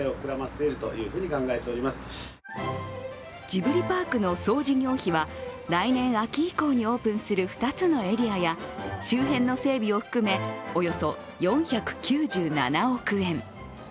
ジブリパークの総事業費は来年秋以降にオープンする２つのエリアや、周辺の整備を含めおよそ４９７億円。